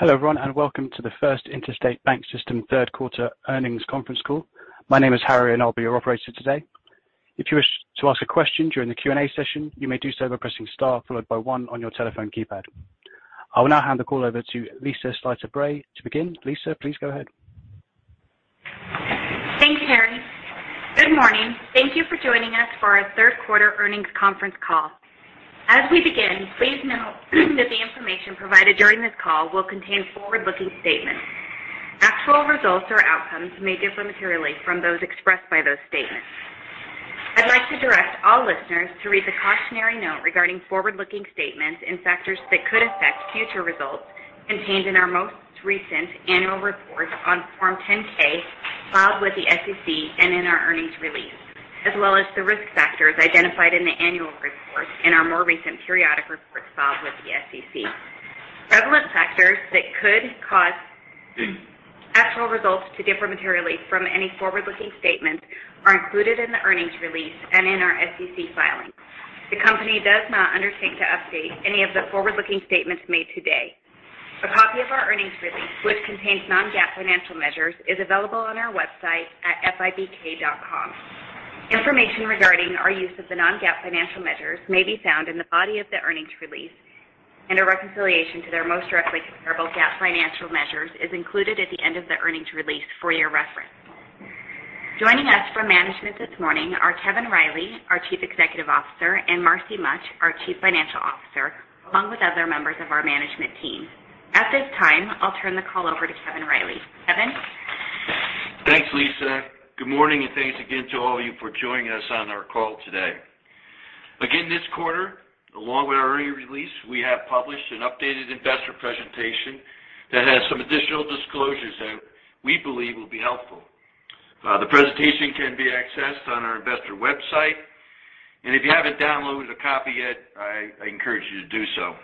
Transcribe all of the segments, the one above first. Hello, everyone, and welcome to the First Interstate BancSystem third quarter earnings conference call. My name is Harry and I'll be your operator today. If you wish to ask a question during the Q&A session, you may do so by pressing star followed by one on your telephone keypad. I will now hand the call over to Lisa Slyter-Bray to begin. Lisa, please go ahead. Thanks, Harry. Good morning. Thank you for joining us for our third quarter earnings conference call. As we begin, please know that the information provided during this call will contain forward-looking statements. Actual results or outcomes may differ materially from those expressed by those statements. I'd like to direct all listeners to read the cautionary note regarding forward-looking statements and factors that could affect future results contained in our most recent annual report on Form 10-K filed with the SEC and in our earnings release, as well as the risk factors identified in the annual report and our more recent periodic reports filed with the SEC. Relevant factors that could cause actual results to differ materially from any forward-looking statements are included in the earnings release and in our SEC filings. The company does not undertake to update any of the forward-looking statements made today. A copy of our earnings release, which contains non-GAAP financial measures, is available on our website at fibk.com. Information regarding our use of the non-GAAP financial measures may be found in the body of the earnings release, and a reconciliation to their most directly comparable GAAP financial measures is included at the end of the earnings release for your reference. Joining us from management this morning are Kevin Riley, our Chief Executive Officer, and Marcy Mutch, our Chief Financial Officer, along with other members of our management team. At this time, I'll turn the call over to Kevin Riley. Kevin? Thanks, Lisa. Good morning, and thanks again to all of you for joining us on our call today. Again, this quarter, along with our earnings release, we have published an updated investor presentation that has some additional disclosures that we believe will be helpful. The presentation can be accessed on our investor website, and if you haven't downloaded a copy yet, I encourage you to do so.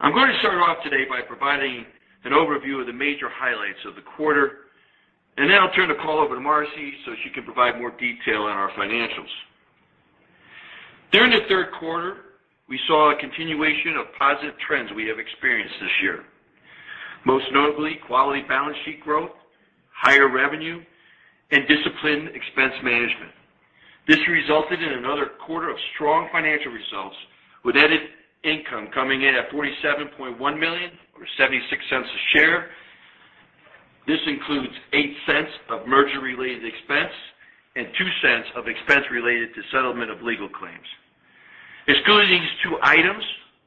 I'm going to start off today by providing an overview of the major highlights of the quarter, and then I'll turn the call over to Marcy so she can provide more detail on our financials. During the third quarter, we saw a continuation of positive trends we have experienced this year. Most notably, quality balance sheet growth, higher revenue, and disciplined expense management. This resulted in another quarter of strong financial results, with added income coming in at $47.1 million or $0.76 a share. This includes $0.08 of merger-related expense and $0.02 of expense related to settlement of legal claims. Excluding these two items,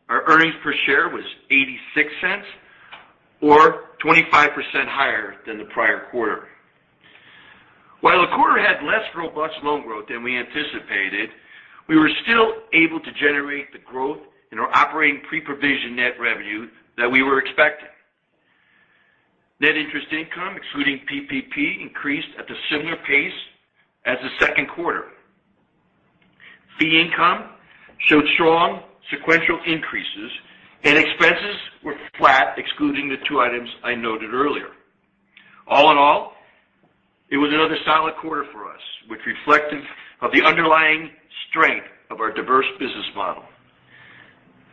our earnings per share was $0.86 or 25% higher than the prior quarter. While the quarter had less robust loan growth than we anticipated, we were still able to generate the growth in our operating pre-provision net revenue that we were expecting. Net interest income, excluding PPP, increased at a similar pace as the second quarter. Fee income showed strong sequential increases and expenses were flat, excluding the two items I noted earlier. All in all, it was another solid quarter for us, which reflected the underlying strength of our diverse business model.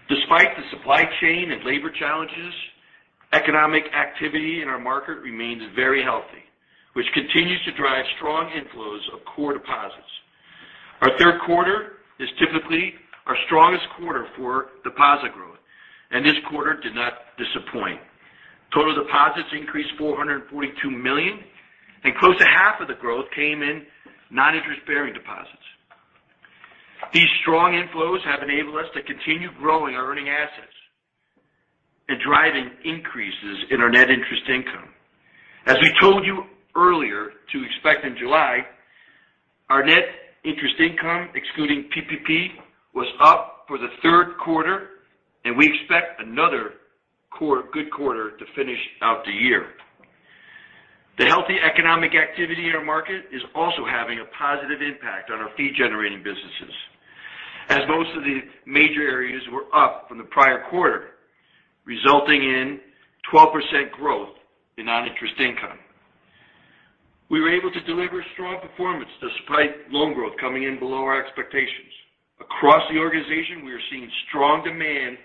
Despite the supply chain and labor challenges, economic activity in our market remains very healthy, which continues to drive strong inflows of core deposits. Our third quarter is typically our strongest quarter for deposit growth, and this quarter did not disappoint. Total deposits increased $442 million, and close to half of the growth came in non-interest-bearing deposits. These strong inflows have enabled us to continue growing our earning assets and driving increases in our net interest income. As we told you earlier to expect in July, our net interest income, excluding PPP, was up for the third quarter, and we expect another good quarter to finish out the year. The healthy economic activity in our market is also having a positive impact on our fee-generating businesses, as most of the major areas were up from the prior quarter, resulting in 12% growth in non-interest income. We were able to deliver strong performance despite loan growth coming in below our expectations. Across the organization, we are seeing strong demand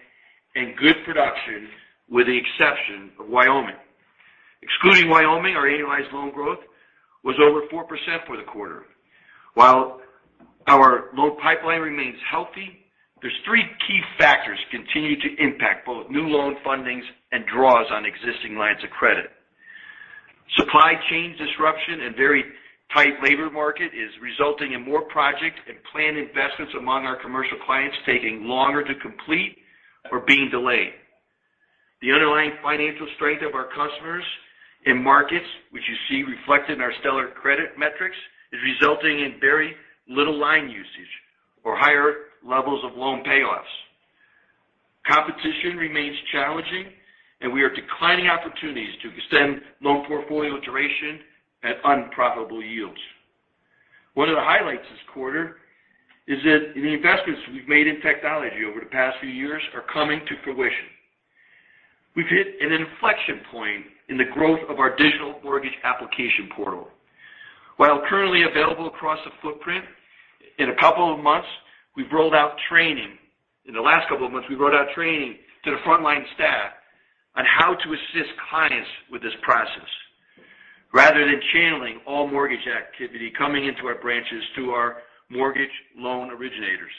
and good production with the exception of Wyoming. Excluding Wyoming, our annualized loan growth was over 4% for the quarter. While our loan pipeline remains healthy, there's three key factors continue to impact both new loan fundings and draws on existing lines of credit. Supply chain disruption and very tight labor market is resulting in more projects and planned investments among our commercial clients taking longer to complete or being delayed. The underlying financial strength of our customers in markets, which you see reflected in our stellar credit metrics, is resulting in very little line usage or higher levels of loan payoffs. Competition remains challenging and we are declining opportunities to extend loan portfolio duration at unprofitable yields. One of the highlights this quarter is that the investments we've made in technology over the past few years are coming to fruition. We've hit an inflection point in the growth of our digital mortgage application portal. While currently available across the footprint, in a couple of months, we've rolled out training. In the last couple of months, we rolled out training to the frontline staff on how to assist clients with this process rather than channeling all mortgage activity coming into our branches to our mortgage loan originators.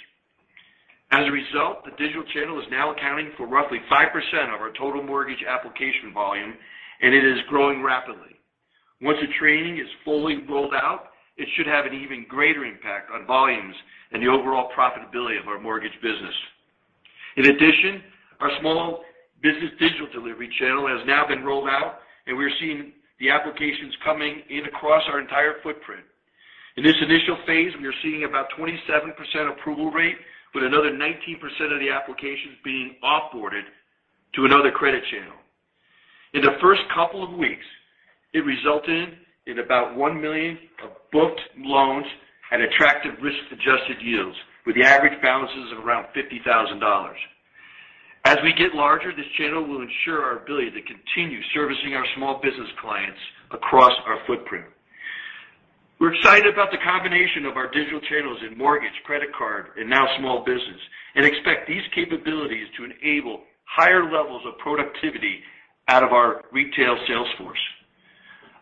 As a result, the digital channel is now accounting for roughly 5% of our total mortgage application volume, and it is growing rapidly. Once the training is fully rolled out, it should have an even greater impact on volumes and the overall profitability of our mortgage business. In addition, our small business digital delivery channel has now been rolled out, and we're seeing the applications coming in across our entire footprint. In this initial phase, we are seeing about 27% approval rate, with another 19% of the applications being off-boarded to another credit channel. In the first couple of weeks, it resulted in about $1 million of booked loans at attractive risk-adjusted yields, with the average balances of around $50,000. As we get larger, this channel will ensure our ability to continue servicing our small business clients across our footprint. We're excited about the combination of our digital channels in mortgage, credit card, and now small business, and expect these capabilities to enable higher levels of productivity out of our retail sales force.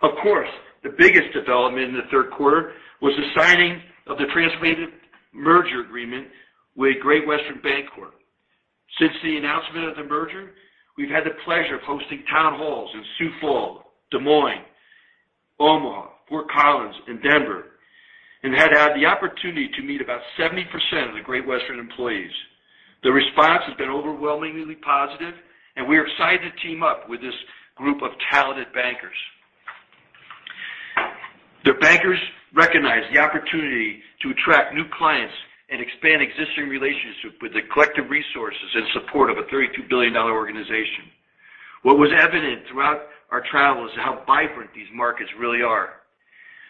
Of course, the biggest development in the third quarter was the signing of the transformative merger agreement with Great Western Bancorp. Since the announcement of the merger, we've had the pleasure of hosting town halls in Sioux Falls, Des Moines, Omaha, Fort Collins, and Denver, and have had the opportunity to meet about 70% of the Great Western employees. The response has been overwhelmingly positive, and we are excited to team up with this group of talented bankers. The bankers recognize the opportunity to attract new clients and expand existing relationships with the collective resources and support of a $32 billion organization. What was evident throughout our travels is how vibrant these markets really are,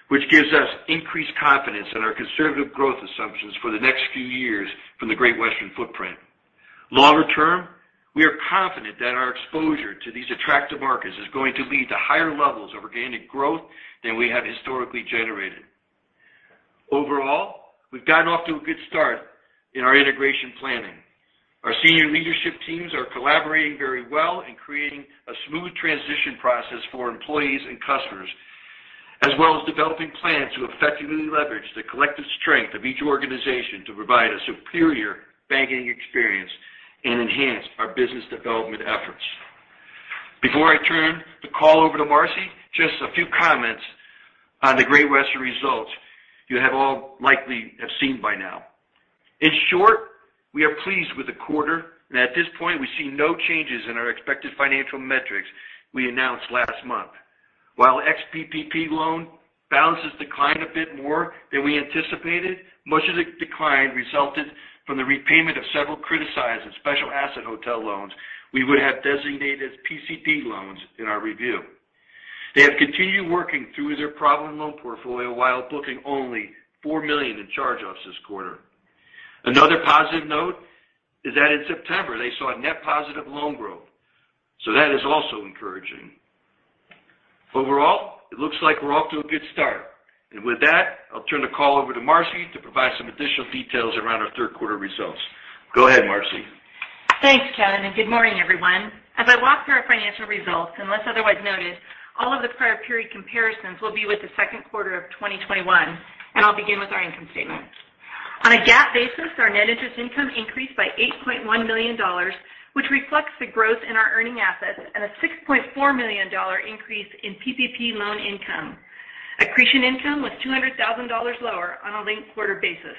which gives us increased confidence in our conservative growth assumptions for the next few years from the Great Western footprint. Longer term, we are confident that our exposure to these attractive markets is going to lead to higher levels of organic growth than we have historically generated. Overall, we've gotten off to a good start in our integration planning. Our senior leadership teams are collaborating very well in creating a smooth transition process for employees and customers, as well as developing plans to effectively leverage the collective strength of each organization to provide a superior banking experience and enhance our business development efforts. Before I turn the call over to Marcy, just a few comments on the Great Western results you have all likely seen by now. In short, we are pleased with the quarter. At this point, we see no changes in our expected financial metrics we announced last month. While ex-PPP loan balances declined a bit more than we anticipated, much of the decline resulted from the repayment of several criticized and special asset hotel loans we would have designated as PCD loans in our review. They have continued working through their problem loan portfolio while booking only $4 million in charge-offs this quarter. Another positive note is that in September, they saw a net positive loan growth, so that is also encouraging. Overall, it looks like we're off to a good start. With that, I'll turn the call over to Marcy to provide some additional details around our third quarter results. Go ahead, Marcy. Thanks, Kevin, and good morning, everyone. As I walk through our financial results, unless otherwise noted, all of the prior period comparisons will be with the second quarter of 2021, and I'll begin with our income statement. On a GAAP basis, our net interest income increased by $8.1 million, which reflects the growth in our earning assets and a $6.4 million dollar increase in PPP loan income. Accretion income was $200,000 lower on a linked quarter basis.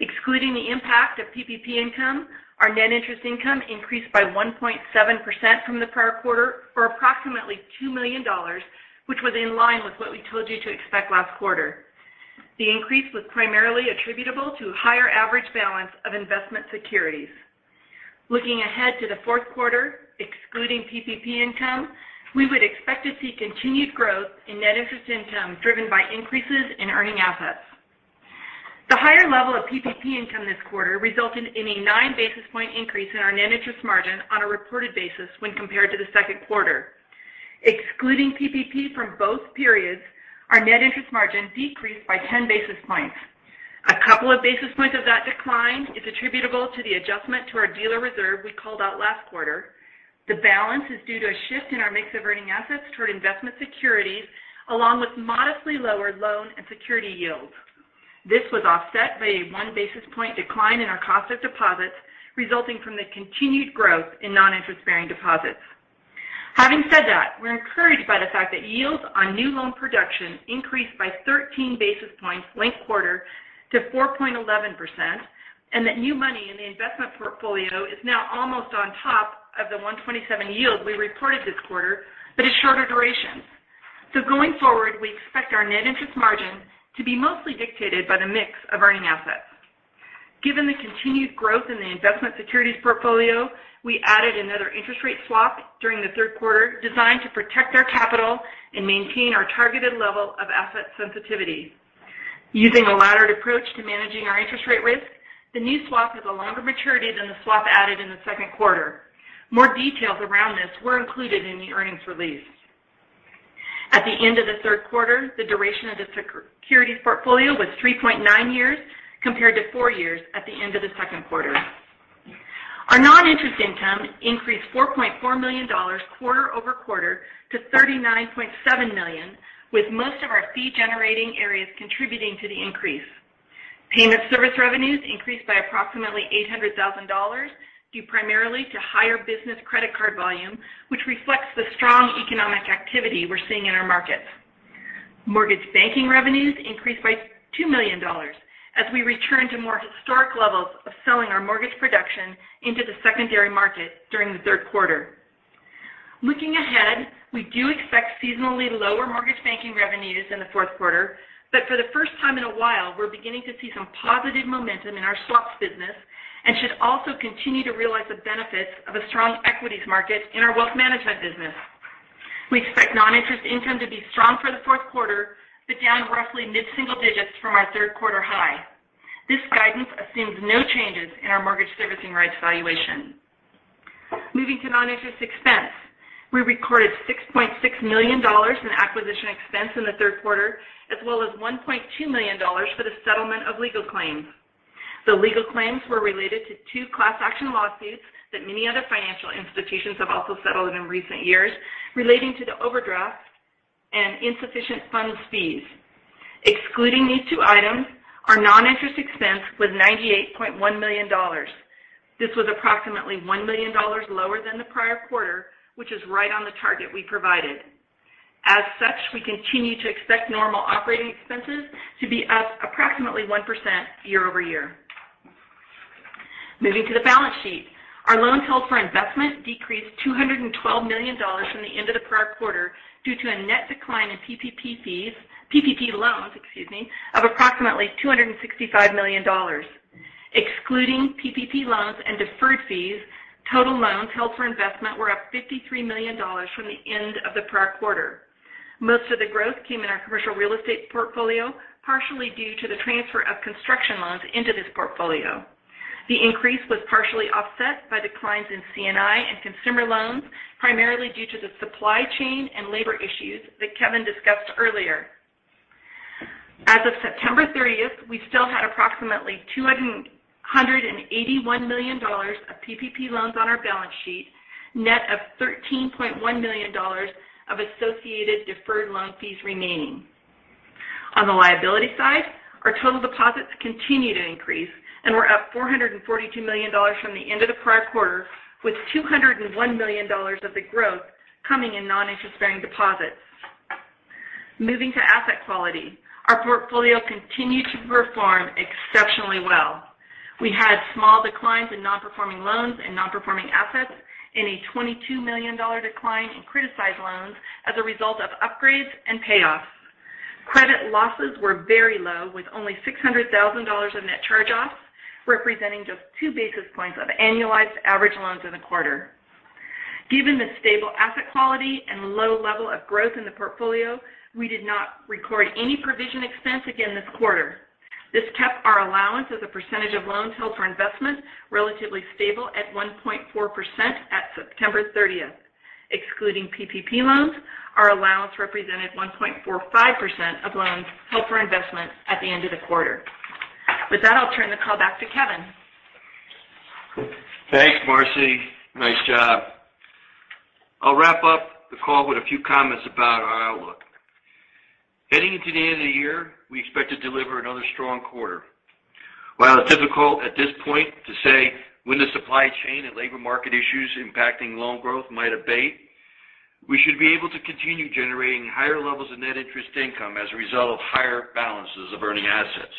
Excluding the impact of PPP income, our net interest income increased by 1.7% from the prior quarter, or approximately $2 million, which was in line with what we told you to expect last quarter. The increase was primarily attributable to higher average balance of investment securities. Looking ahead to the fourth quarter, excluding PPP income, we would expect to see continued growth in net interest income driven by increases in earning assets. The higher level of PPP income this quarter resulted in a nine basis point increase in our net interest margin on a reported basis when compared to the second quarter. Excluding PPP from both periods, our net interest margin decreased by 10 basis points. A couple of basis points of that decline is attributable to the adjustment to our dealer reserve we called out last quarter. The balance is due to a shift in our mix of earning assets toward investment securities, along with modestly lower loan and security yields. This was offset by a one basis point decline in our cost of deposits resulting from the continued growth in non-interest-bearing deposits. Having said that, we're encouraged by the fact that yields on new loan production increased by 13 basis points linked quarter to 4.11%, and that new money in the investment portfolio is now almost on top of the 1.27 yield we reported this quarter, but is shorter duration. Going forward, we expect our net interest margin to be mostly dictated by the mix of earning assets. Given the continued growth in the investment securities portfolio, we added another interest rate swap during the third quarter designed to protect our capital and maintain our targeted level of asset sensitivity. Using a laddered approach to managing our interest rate risk, the new swap has a longer maturity than the swap added in the second quarter. More details around this were included in the earnings release. At the end of the third quarter, the duration of the securities portfolio was 3.9 years compared to four years at the end of the second quarter. Our non-interest income increased $4.4 million quarter-over-quarter to $39.7 million, with most of our fee generating areas contributing to the increase. Payment service revenues increased by approximately $800,000, due primarily to higher business credit card volume, which reflects the strong economic activity we're seeing in our markets. Mortgage banking revenues increased by $2 million as we return to more historic levels of selling our mortgage production into the secondary market during the third quarter. Looking ahead, we do expect seasonally lower mortgage banking revenues in the fourth quarter, but for the first time in a while, we're beginning to see some positive momentum in our swaps business and should also continue to realize the benefits of a strong equities market in our wealth management business. We expect non-interest income to be strong for the fourth quarter, but down roughly mid-single digits from our third quarter high. This guidance assumes no changes in our mortgage servicing rights valuation. Moving to non-interest expense. We recorded $6.6 million in acquisition expense in the third quarter, as well as $1.2 million for the settlement of legal claims. The legal claims were related to two class action lawsuits that many other financial institutions have also settled in recent years relating to the overdraft and insufficient funds fees. Excluding these two items, our non-interest expense was $98.1 million. This was approximately $1 million lower than the prior quarter, which is right on the target we provided. As such, we continue to expect normal operating expenses to be up approximately 1% year-over-year. Moving to the balance sheet. Our loans held for investment decreased $212 million from the end of the prior quarter due to a net decline in PPP loans, excuse me, of approximately $265 million. Excluding PPP loans and deferred fees, total loans held for investment were up $53 million from the end of the prior quarter. Most of the growth came in our commercial real estate portfolio, partially due to the transfer of construction loans into this portfolio. The increase was partially offset by declines in C&I and consumer loans, primarily due to the supply chain and labor issues that Kevin discussed earlier. As of September 30, we still had approximately $281 million of PPP loans on our balance sheet, net of $13.1 million of associated deferred loan fees remaining. On the liability side, our total deposits continued to increase and were up $442 million from the end of the prior quarter, with $201 million of the growth coming in non-interest bearing deposits. Moving to asset quality. Our portfolio continued to perform exceptionally well. We had small declines in non-performing loans and non-performing assets and a $22 million dollar decline in criticized loans as a result of upgrades and payoffs. Credit losses were very low, with only $600,000 of net charge-offs, representing just two basis points of annualized average loans in the quarter. Given the stable asset quality and low level of growth in the portfolio, we did not record any provision expense again this quarter. This kept our allowance as a percentage of loans held for investment relatively stable at 1.4% at September thirtieth. Excluding PPP loans, our allowance represented 1.45% of loans held for investment at the end of the quarter. With that, I'll turn the call back to Kevin. Thanks, Marcy. Nice job. I'll wrap up the call with a few comments about our outlook. Heading into the end of the year, we expect to deliver another strong quarter. While it's difficult at this point to say when the supply chain and labor market issues impacting loan growth might abate, we should be able to continue generating higher levels of net interest income as a result of higher balances of earning assets.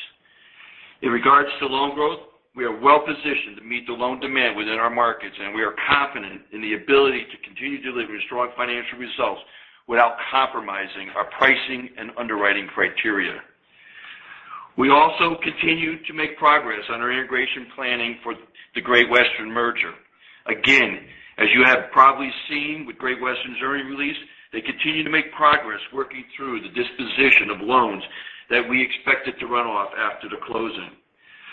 In regards to loan growth, we are well positioned to meet the loan demand within our markets, and we are confident in the ability to continue delivering strong financial results without compromising our pricing and underwriting criteria. We also continue to make progress on our integration planning for the Great Western merger. Again, as you have probably seen with Great Western's earnings release, they continue to make progress working through the disposition of loans that we expected to run off after the closing.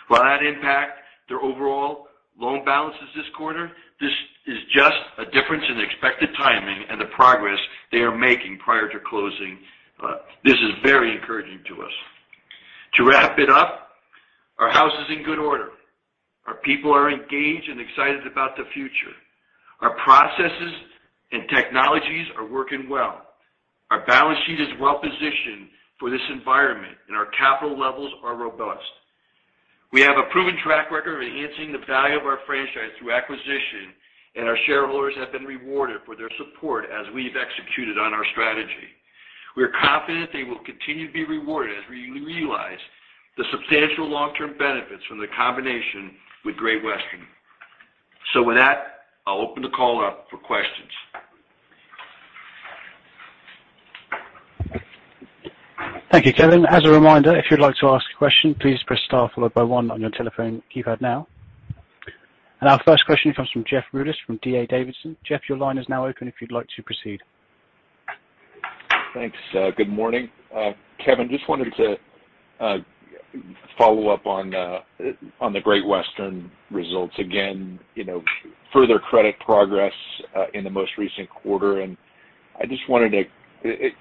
While that impact their overall loan balances this quarter, this is just a difference in expected timing and the progress they are making prior to closing. This is very encouraging to us. To wrap it up, our house is in good order. Our people are engaged and excited about the future. Our processes and technologies are working well. Our balance sheet is well positioned for this environment, and our capital levels are robust. We have a proven track record of enhancing the value of our franchise through acquisition, and our shareholders have been rewarded for their support as we've executed on our strategy. We are confident they will continue to be rewarded as we realize the substantial long-term benefits from the combination with Great Western. With that, I'll open the call up for questions. Thank you, Kevin. As a reminder, if you'd like to ask a question, please press star followed by one on your telephone keypad now. Our first question comes from Jeff Rulis from D.A. Davidson. Jeff, your line is now open if you'd like to proceed. Thanks. Good morning. Kevin, just wanted to follow up on the Great Western results. Again, you know, further credit progress in the most recent quarter. I just wanted to.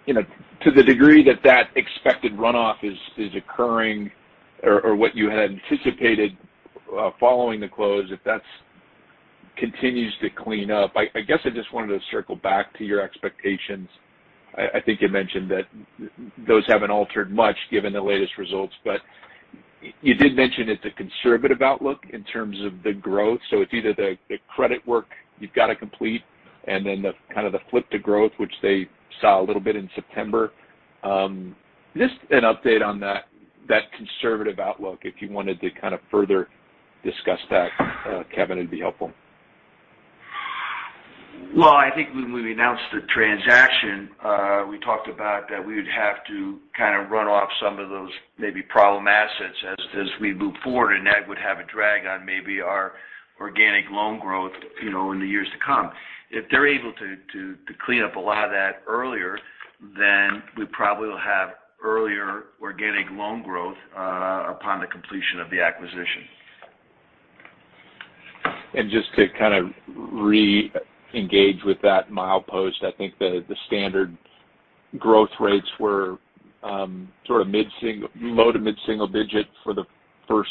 You know, to the degree that expected runoff is occurring or what you had anticipated following the close, if that continues to clean up. I guess I just wanted to circle back to your expectations. I think you mentioned that those haven't altered much given the latest results. You did mention it's a conservative outlook in terms of the growth, so it's either the credit work you've got to complete and then the kind of flip to growth which they saw a little bit in September. Just an update on that conservative outlook, if you wanted to kind of further discuss that, Kevin, it'd be helpful. Well, I think when we announced the transaction, we talked about that we would have to kind of run off some of those maybe problem assets as we move forward, and that would have a drag on maybe our organic loan growth, you know, in the years to come. If they're able to to clean up a lot of that earlier, then we probably will have earlier organic loan growth upon the completion of the acquisition. Just to kind of re-engage with that milepost, I think the standard growth rates were sort of low- to mid-single-digit % for the first,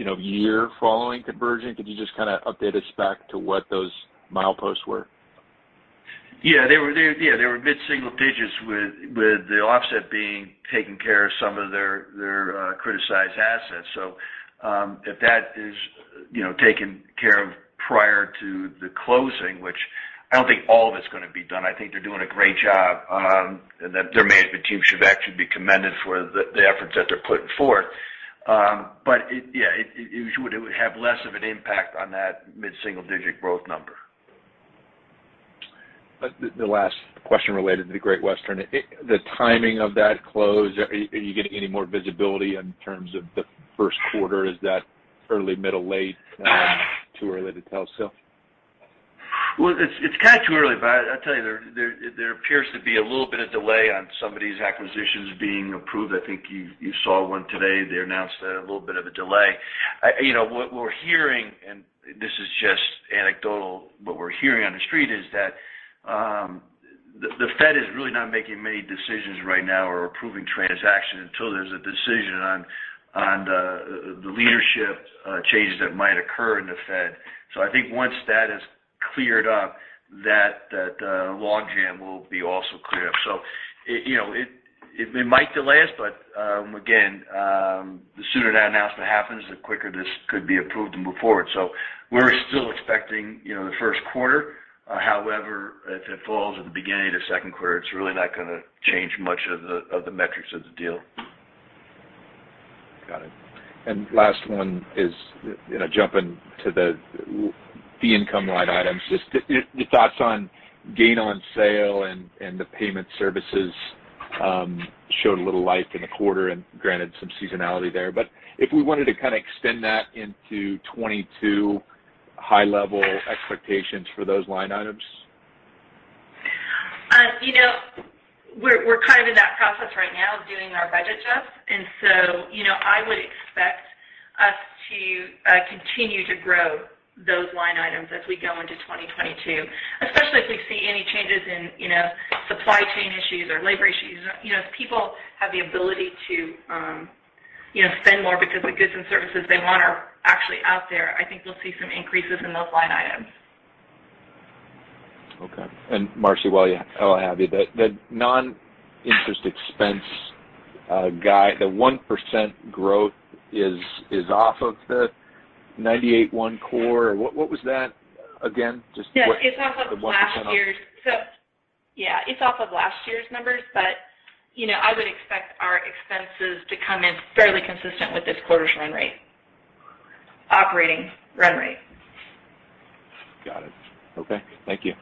you know, year following conversion. Could you just kind of update us back to what those mileposts were? Yeah, they were mid-single digits with the offset being taking care of some of their criticized assets. If that is, you know, taken care of prior to the closing, which I don't think all of it's going to be done. I think they're doing a great job, and that their management team should actually be commended for the efforts that they're putting forth. But yeah, it would have less of an impact on that mid-single digit growth number. The last question related to the Great Western. The timing of that close, are you getting any more visibility in terms of the first quarter? Is that early, middle, late, too early to tell still? Well, it's kind of too early, but I tell you, there appears to be a little bit of delay on some of these acquisitions being approved. I think you saw one today. They announced a little bit of a delay. You know, what we're hearing, and this is just anecdotal, but we're hearing on the street is that the Fed is really not making many decisions right now or approving transactions until there's a decision on the leadership changes that might occur in the Fed. I think once that is cleared up, that logjam will be also cleared up. You know, it might delay us, but again, the sooner that announcement happens, the quicker this could be approved and move forward. We're still expecting, you know, the first quarter. However, if it falls at the beginning of the second quarter, it's really not going to change much of the metrics of the deal. Got it. Last one is, you know, jumping to the income line items. Just your thoughts on gain on sale and the payment services showed a little life in the quarter and, granted, some seasonality there. If we wanted to kind of extend that into 2022 high-level expectations for those line items? You know, we're kind of in that process right now doing our budget stuff. You know, I would expect us to continue to grow those line items as we go into 2022, especially if we see any changes in, you know, supply chain issues or labor issues. You know, if people have the ability to, you know, spend more because the goods and services they want are actually out there, I think we'll see some increases in those line items. Okay. Marcy, while I have you. The non-interest expense guide, the 1% growth is off of the $98.1 core. What was that again? Just what Yeah. It's off of last year's numbers. You know, I would expect our expenses to come in fairly consistent with this quarter's operating run rate. Got it. Okay. Thank you.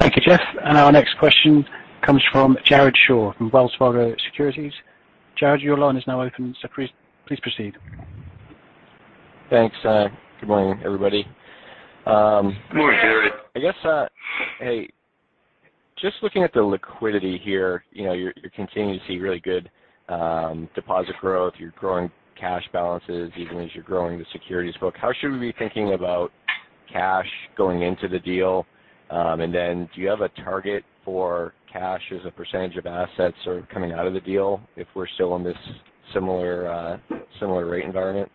Thank you, Jeff. Our next question comes from Jared Shaw from Wells Fargo Securities. Jared, your line is now open, so please proceed. Thanks. Good morning, everybody. Good morning, Jared. I guess, hey, just looking at the liquidity here. You know, you're continuing to see really good deposit growth. You're growing cash balances even as you're growing the securities book. How should we be thinking about cash going into the deal? And then do you have a target for cash as a percentage of assets are coming out of the deal if we're still in this similar rate environment?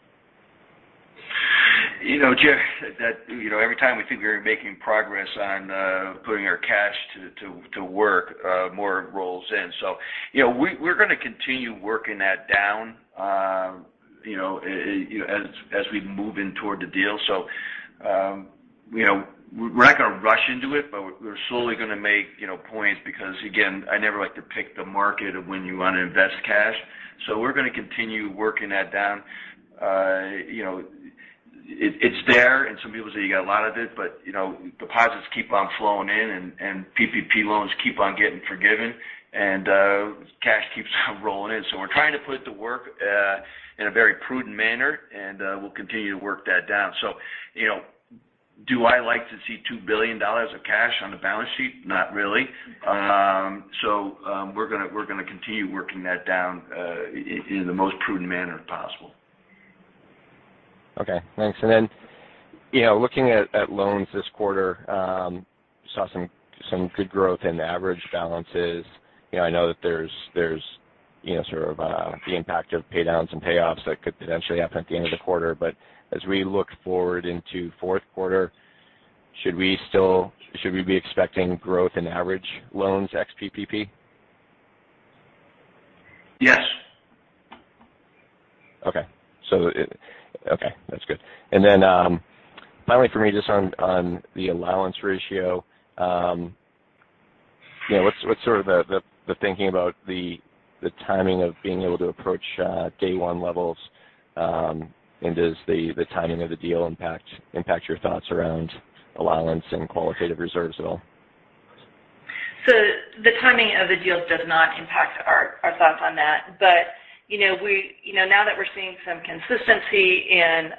You know, Jeff, that you know, every time we think we're making progress on putting our cash to work, more rolls in. You know, we're going to continue working that down, you know, as we move in toward the deal. You know, we're not going to rush into it, but we're slowly going to make, you know, points because, again, I never like to pick the market or when you want to invest cash. We're going to continue working that down. You know, it's there, and some people say you got a lot of it, but, you know, deposits keep on flowing in and PPP loans keep on getting forgiven, and cash keeps rolling in. We're trying to put the work in a very prudent manner, and we'll continue to work that down. You know, do I like to see $2 billion of cash on the balance sheet? Not really. We're gonna continue working that down in the most prudent manner possible. Okay. Thanks. You know, looking at loans this quarter, saw some good growth in average balances. You know, I know that there's you know, sort of, the impact of pay downs and payoffs that could potentially happen at the end of the quarter. As we look forward into fourth quarter, should we be expecting growth in average loans ex PPP? Yes. Okay, that's good. Finally for me, just on the allowance ratio, you know, what's sort of the thinking about the timing of being able to approach day one levels, and does the timing of the deal impact your thoughts around allowance and qualitative reserves at all? The timing of the deals does not impact our thoughts on that. You know, now that we're seeing some consistency in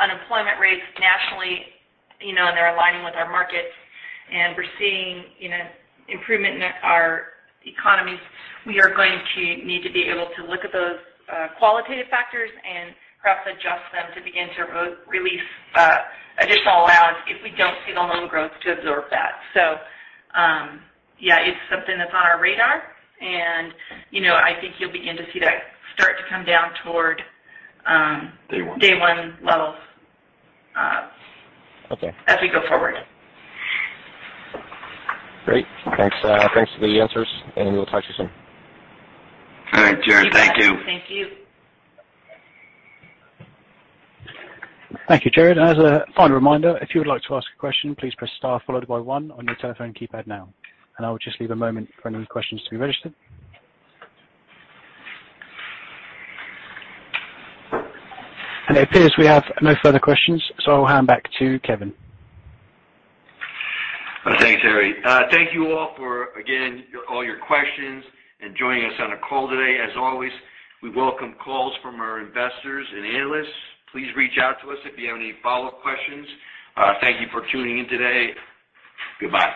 unemployment rates nationally, you know, and they're aligning with our markets and we're seeing, you know, improvement in our economies, we are going to need to be able to look at those qualitative factors and perhaps adjust them to begin to re-release additional allowance if we don't see the loan growth to absorb that. Yeah, it's something that's on our radar and, you know, I think you'll begin to see that start to come down toward Day one. Day one levels. Okay as we go forward. Great. Thanks. Thanks for the answers, and we'll talk to you soon. All right, Jared. Thank you. Thank you. Thank you, Jared. As a final reminder, if you would like to ask a question, please press star followed by one on your telephone keypad now. I will just leave a moment for any questions to be registered. It appears we have no further questions, so I'll hand back to Kevin. Thanks, Harry. Thank you all for, again, all your questions and joining us on the call today. As always, we welcome calls from our investors and analysts. Please reach out to us if you have any follow-up questions. Thank you for tuning in today. Goodbye.